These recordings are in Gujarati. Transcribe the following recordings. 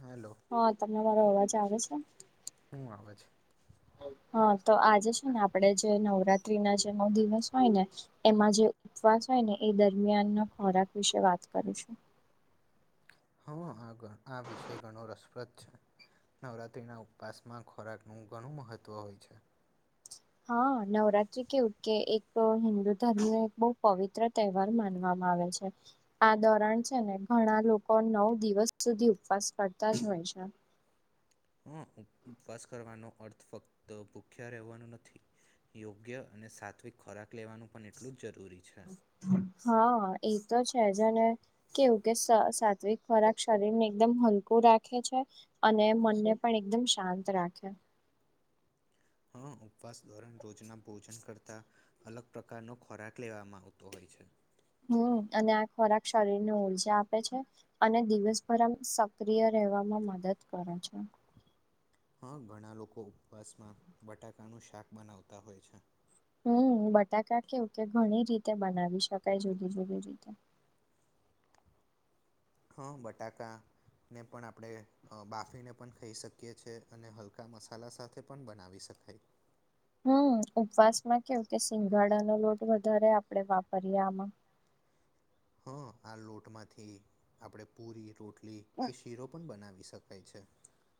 હલો. હા, તમને મારો અવાજ આવે છે? હું આવે છે. હા, તો આજે છે ને આપડે જે નવરાત્રી ના જે નવ દિવસ હોય ને એમાં જે ઉપવાસ હોય ને એ દરમિયાનના ખોરાક વિશે વાત કરીશું. હા, આ આ વિષય ઘણો રસપ્રદ છે. નવરાત્રિના ઉપવાસમાં ખોરાકનું ઘણું મહત્ત્વ હોય છે. હા, નવરાત્રી કેવું કે એક હિન્દુ ધર્મ એક બો પવિત્ર તહેવાર માનવા આવે આવે છે. આ દોરાણ છે ને ઘણા લોકો નવ દિવસ સુધી ઉપવાસ કરતા જ હોય છે. હા, ઉપવાસ કરવાનો અર્થ ફક્ત ભૂખ્યા રહેવાનો નથી. યોગ્ય અને સાત્વિક ખોરાક લેવાનું પણ એટલું જ જરૂરી છે. હા, એતો છે અને કેવું કે સાત્વિક ખોરાક શરીરને એકદમ હલકું રાખે છે. અને મનને પણ એકદમ શાંત રાખે હા, ઉપવાસ ધોરણ રોજના ભોજન કરતા. અલગ પ્રકારનો ખોરાક લેવામાં આવતો હોય છે. હમ્મ અને આ ખોરાક શરીરને ઊર્જા આપે છે. અને દિવસભર આમ સક્રિય રહેવામાં મદદ કરે છે. હા, ઘણા લોકો ઉપવાસમાં બટાકાનું શાક બનાવતા હોય છે. હમ્મ, બટાકા કેવું કે ઘણી રીતે બનાવી શકાય જુદી જુદી રીતે. હં બટાકાને પણ આપડે બાફીને પણ ખાઈ શકીએ છીએ અને હલકા મસાલા સાથે પણ બનાવી શકાય. હમ્મ, ઉપવાસ માં કેવું કે સિંગાડાનો લોટ વધારે આપડે વાપરીએ આમાં. હા, આ લોટમાંથી આપડે પુરી, રોટલી કે શીરો પણ બનાવી શક કાય છે.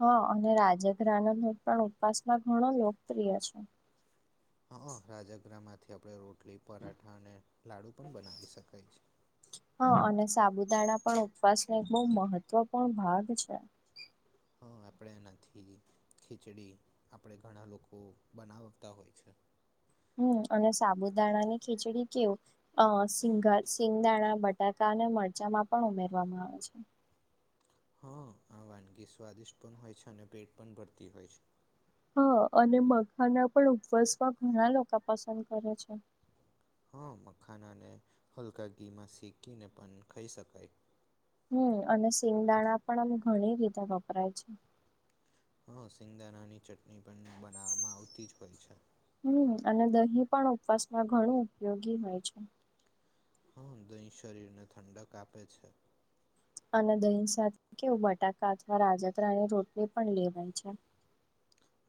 હા અને રાજઘ્રનો પણ ઉપસમાં ઘણો લોકપ્રિય છે. હા, રાજગ્રહમાંથી આપડે રોટલી, પરાઠા અને લાડુ પણ બનાવી શકાય છે. હા અને સાબુદાણા પણ ઉપવાસનો એક બો મહત્વપૂર્ણ ભાગ છે. હા, આપડે એનાથી ખીચડી, આપડે ઘણા લોકો બનાવતા હોય છે. હમ્મ અને સાબુદાણાની ખીચડી કેવું અહ સિંગ સિંગદાણા બટ બટાકા અને મરચામાં પણ ઉમેરવામાં આવે છે. હા, આ વાનગી સ્વાદિષ્ટ પણ હોય છે અને પેટ પણ ભરતી હોય છે. હા અને મઘા ના પણ ઉપવાસવા ઘણા લોકો પસંદ કરે છે હા મખાનાને હલકા ઘીમાં શેકીને પણ ખાઈ શકાય હમ અને સિંગદાણા પણ અમે ઘણી રીતે વપરાય છે હા સિંગાણાની ચટણી પણ બનાવવામાં આવતી જ હોય છે હમ અને દહીં પણ ઉપવાસમાં ઘણું ઉપયોગી હોય છે હા દહીં શરીરને ઠંડક આપે છે અને દહી સાથે કેવું બટાકા અથવા રાજગરાની રોટલી પણ લેવાય છે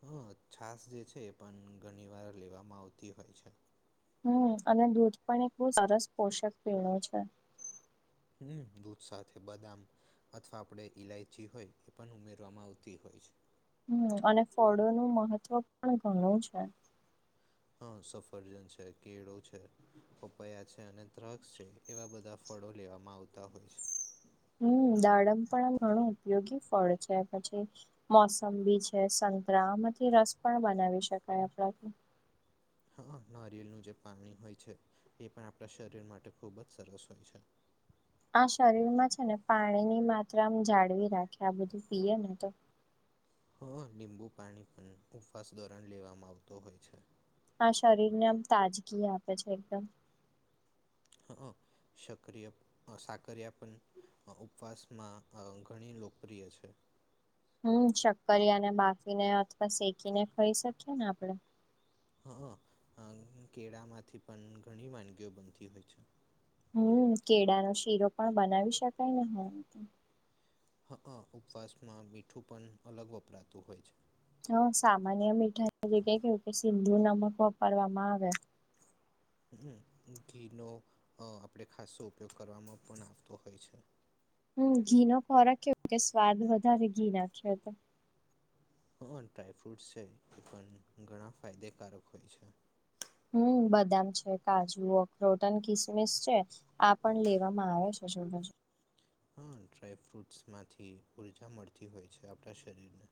હ છાાસ જે છે એ પણ ઘણી વાર લેવામાં આવતી હોય છે હમ અને દૂધ પણ એક બ સરસ પોષક પીણું છે હમ દૂધ સાથે બદામ અથવા આપણે ઇલાયચી હોય એ પણ ઉમેરવામાં આવતી હોય છે હમ અને ફળો નું મહત્વ પણ ઘણું છે હા સફરજન છે, કેળો છે. પપયા છે અને દ્રાક્ષ છે એવા બધા ફળો લેવામાં આવતા હોય છે હમ દાડમ પણ આ ઘણું ઉપયોગી ફળ છે પછી મોસંબી છે સંતરામાંથી રસ પણ બનાવી શકાય આપણો હા નારિેળનું જે પાણી હોય છે એ પણ આપણા શરીર માટે ખૂબ જ સરસ હોય છે આ શરીર માં છે ને પાણીની માત્રામાં જાળવી રાખે આ બધું પીએ ને તો હા લીંબુ પાણી પણ ઉપવાસ દોરણ લેવામાં આવતો હોય છે આ શરીર ને આમ તાજગી આપે છે એકદમ હ સક્રિય સાકરિયા પણ ઉપવાસમાં ઘણી લોકપ્રિય છે હમ શક્કરિયાને બાફીને અથવા શેકીને ખાઈ શકીએ ને આપડે હા કેળામાંથી પણ ઘણી વાનગીઓ બનતી હોય છે હમ કેળા ન શીરો પણ બનાવી શકાય ને હ હા ઉપવાસમાં મીઠું પણ અલગ વપરાતું હોય છે હ સામાન્ય મીઠાઈ જગ્યા કેુ કે સિંધુ નમક વાપરવામાં આવે હ ઘીનો આપણે ખસ્સો ઉપયોગ કરવામાં પણ આવતો હોય છે હમ ઘી નો ખોરાક કે સ્વાદ વધારે ઘી નાખ્યો તો હા ડ્રાયફ્રુટ છે એ પણ ઘણા ફાયદેકારક હોય છે હમ બદામ છે કાજુ અખરોટ અને કિસમિસ છે આ પણ લેવામાં આવે છે હા ડ્રાય ફ્રુટસ માંથી ઉર્જા મળતી હોય છે આપણા શરીર ને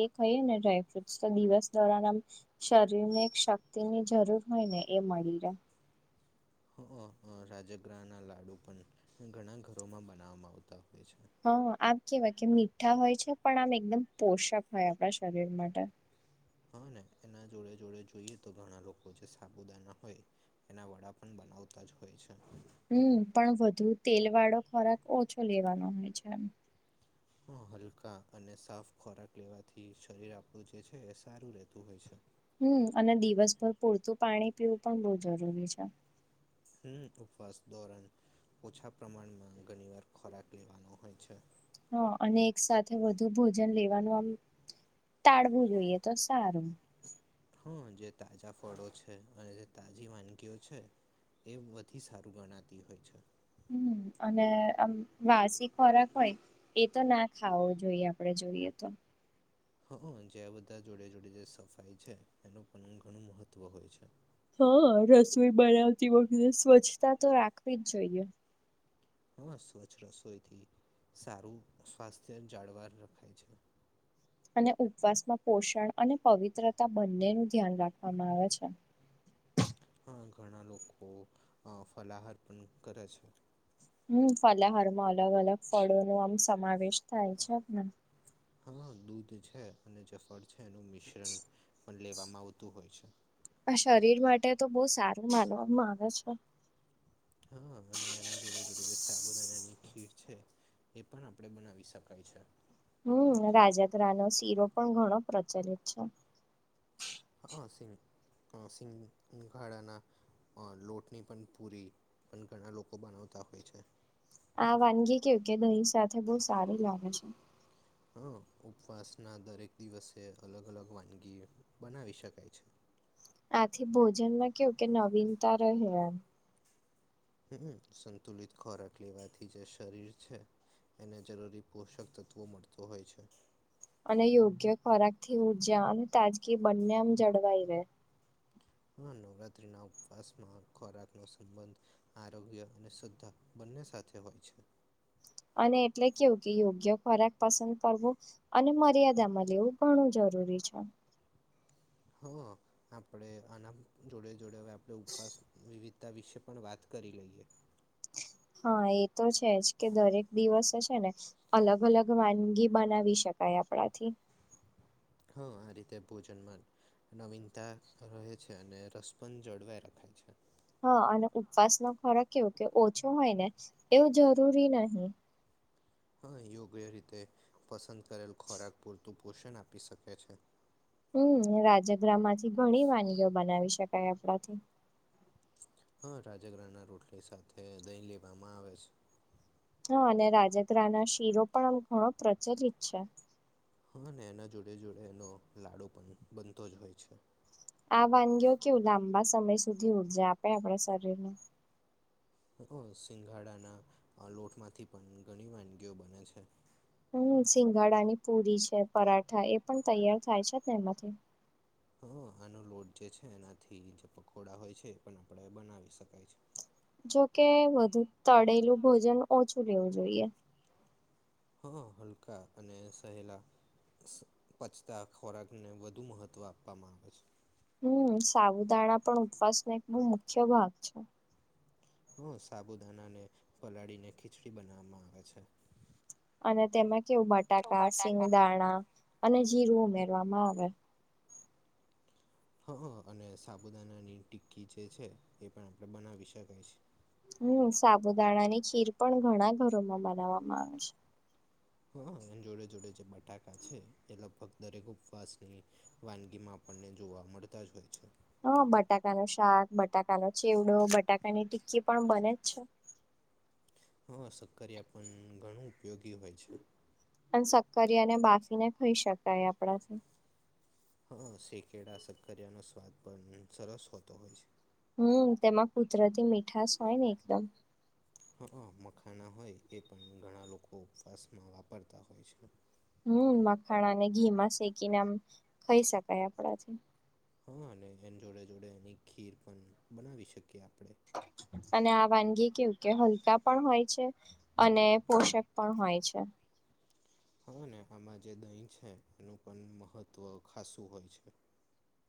એ કહીએ ને ડ્રાયફ્રૂટસ તો દિવસ દોરણ આમ શરીર ને એક શક્તિ ની જરૂર હોય ને એ મળી રહે રાજગરાના લાડુ પણ ઘણા ઘરોમાં બનાવવામાં આવતા હોય છે હા આમ કેવાય કે મીઠા હોય છે પણ આમ એકદમ પોષક હોય આપણા શરીર માટે હા ને એના જોડે જોડે જોઈએ તો ઘણા લોકો જે સાબુદાના હોય એના વડા પણ બનાવતા જ હોય છે હમ પણ વધુ તેલ વાળો ખોરાક ઓછો લેવાનો હોય છે એમ હ હલકા અને સાફ ખોરાક લેવાથી શરીર આપણું જે છે એ સારું રહેતું હોય છે હમ અને દિવસભર પૂરતું પાણી પીવું પણ બહ જરૂરી છે હમ ઉપવાસ ધોરણ ઓછા પ્રમાણમાં ઘણી વાર ખોરાક લેવાનો હોય છે હા અને એક સાથે વધુ ભોજન લેવાનું આમ ટાળવું જોઈએ તો સારું હમ જે તાજા ફળો છે અને જે તાજી વાનગીઓ છે એ વધી સારું ગણાતી હોય છે હને હમ અને આમ વાસી ખોરાક હોય એ તો ના ખાવો જોઈએ આપડે જોઈએ તો હ જેં બધા જોડે જોડે જે સફાઈ છે એનું પણ ઘણું મહત્ત્વ હોય છે હા રસોઈ બનાવતી વખતે સ્વચ્છતા તો રાખવી જ જોઈએ હા, સ્વચ્છ રસોઈથી સારું સ્વાસ્થ્ય જાળવાર રખાય છે. અને ઉપવાસમાં પોષણ અને પવિત્રતા બંનેનું ધ્યાન રાખવામાં આવે છે. હા, ઘણા લોકો અહ ફલાહાર પણ કરે છે. હમ્મ, ફલહારમાં અલગ અલગ ફળોનો આમ સમાવેશ થાય છે ને હા, દૂધ છે અને જે ફળ છે એનું મિશ્રણ પણ લેવામાં આવતું હોય છે. આ શરીર માટે તો બો સારું માનવામાં આવે છે. હા અને એના જોડે જોડે જે સાબુદાનાની ખીર છે એ પણ આપડે બનાવી શકાય છે. હમ્મ, રાજગરાનો શીરો પણ ઘણો પ્રચલિત છે. હા, સિ હ સિંગઘાડાના અ લોટની પણ પૂરી પણ ઘણા લોકો બનાવતા હોય છે. આ વાનગી કેવું કે દહી સાથે બહુ સારું લાગે છે. હ ઉપવાસના દરેક દિવસે અલગ અલગ વાનગી બનાવી શકાય છે. આથી ભોજનમાં કેવું કે નવીનતા રહે એમ. હુંકુ, સંતુલિત ખોરાક લેવાથી જે શરીર છે એને જરૂરી પોષક તત્વો મળત હોય છે. અને યોગ્ય ખોરાક થી ઉર્જા અને તાજગી બંને આમ જળવાઈ રહેે. હા નવરાત્રી ના ઉપવાસ માં ખોરાક નો સંબંધ આરોગ્ય અને શ્રદ્ધા બંને સાથે હોય છે. અને એટલે કેવું કે યોગ્ય ખોરાક પસંદ કરવો અને મર્યાદામાં લેવું ઘણું જરૂરી છે. હં આપણે આના જોડે જોડે હવે આપણે ઉપવાસ વિવિધ તા વિશે પણ વાત કરી લઈએ. હા એ તો છે જ કે દરેક દિવસે છે ને અલગ અલગ વાનગી બનાવી શકાય આપણાથી. હા આ રીતે ભોજનમાંન નવીનતા રહે છે અને રસ પણ જળવાઈ રહે છે. હા અને ઉપવાસ નો ખોરાક કેવો કે ઓછો હોય ને એવું જરૂરી નાઈ. હા યોગ્ય રીતે પસંદ કરેલ ખોરાક પૂરતું પોષણ આપી શકે છે. હમ્મ, રાજગ્રા માંથી ઘણી વાનગીઓ બનાવી શકાય આપણાથી. હા રાજગ્રા ના રોટલી સાથે દહી લેવામાં આવે છે. હા અને રાજગ્રહ ના શીરો પણ આમ ઘણો પ્રચલિત છે. હા ને એના જોડે જોડે એનો લાડુ પણ બનતો જ હોય છે. આ વાનગીઓ કેવું લાંબા સમય સુધી ઉર્જા આપે આપણા શરીરને. હક સિંગાડાના લોટમાંથી પણ ઘણી વાનગીઓ બને છે. હમ્મ, સિંગાડા ની પુરી છે પરાઠા એ પણ તૈયાર થાય છે તેમાંથી. હ આનો લોટ જે છે એનાથી જે પકોડા હોય છે એ પણ આપડે બનાવી શકાય છે. જોકે વધુ તળેલું ભોજન ઓછું લેવું જોઈએ. હા, હલકા અને સહેલા પચતા ખોરાકને વધુ મહત્ત્વ આપવામાં આવે છે. હમ્મ, સાવુદાણા પણ ઉપવાસ ને એક બહુ મુખ્ય ભાગ છે. હ સાબુદાના ને પલાળીને ખીચડી બનાવવામાં આવે છે. અને તેમાં કેવું બટાકા સિંગદાણા અને જીરું ઉમેરવામાં આવે. હ હ અને સાબુદાનાની ટિક્કી જે છે એ પણ આપડે બનાવી શકાય છે. હમ્મ, સાબુદાણા ની ખીર પણ ઘણા ઘરોમાં બનાવવામાં આવે છે. હ હ એ જોડે જોડે જે બટાકા છે એ લગભગ દરેક ઉપવાસની વાનગી માં આપણને જોવા મળતા જ હોય છે. હ બટાકા નું શાક, બટાકાનો ચીવડો, બટાકાની ટિક્કી પણ બને જ છે. હા શક્કરિયા પણ ઘણું ઉપયોગી હોય છે. અન સક્કરીયા અને બાફીને ખાઈ શકાય આપડા થી. હા શેકેળા શક્કરિયાનો સ્વાદ પણમી સરસ હોતો હોય છે. હમ્મ તેમાં કુદરતી મીઠાશ હોય ને એકદમ. હ હ મખાના હોય એ પણ ઘણા લોકો ઉપવાસમાં વાપરતા હોય છે. હમ્મ મખાણાને ઘીમાં શેકીને આમ ખાઈ શકાય આપણાથી. હા અને એની જોડે જોડે એની ખીર પણ બનાવી શકીએ આપડે. અને આ વાનગી કેવું કે હલકા પણ હોય છે. અને પોષક પણ હોય છે. હાને આમાં જે દહીં છે, એનું પણ મહત્ત્વ ખાસું હોય છે.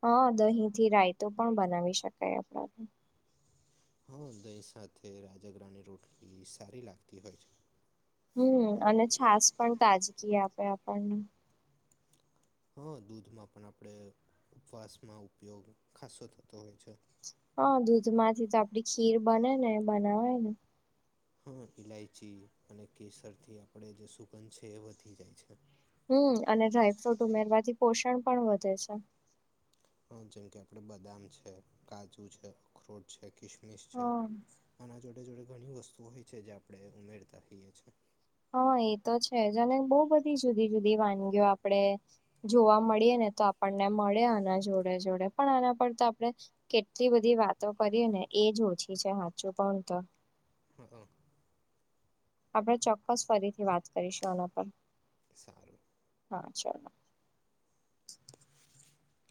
હા દહીંથી રાયતો પણ બનાવી શકાય આપડા થી. હા દહીં સાથે રાજગરાની રોટલી સારી લાગતી હોય છે. હમ્મ અને છાસ પણ તાજગી આપે આપણને. હા દૂધમાં પણ આપણે ઉપવાસમાં ઉપયોગ ખાસો થતો હોય છે. હા દૂધમાંથી તો આપડી ખીર બને ને બનાવાય ને. હા ઇલાયચી અને કેસરથી આપણે જે સુગંધ છે એ વધી જાય છે. હમ્મ અને ડ્રાયફ્રૂટ ઉમેરવાથી પોષણ પણ વધે છે. હા જેમ કે આપડે બદામ છે, કાજુ છે, અખરોટ છે, કિસમિસ છે, હા. આના જોડે જોડે ઘણી વસ્તુ હોય છે જે આપડણે ઉમેરતા રઈયએ છીએ. હા એ તો છે જ અને બહુ બધી જુદી જુદી વાનગીઓ આપડે. જોવા મળીએ ને તો આપણને મળે આના જોડે જોડે, પણ આના પર તો આપણે. કેટલી બધી વાતો કરી ને એજ ઓછી છે હાચું કઉતો. હ અ. આપણે ચોક્કસ ફરીથી વાત કરીશું આના ઉપર, સારું હા ચલો. [inaudible]